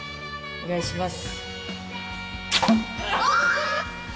お願いします。